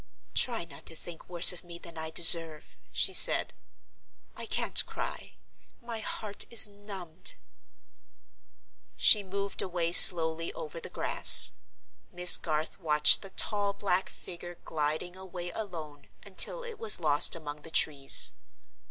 "Try not to think worse of me than I deserve," she said. "I can't cry. My heart is numbed." She moved away slowly over the grass. Miss Garth watched the tall black figure gliding away alone until it was lost among the trees.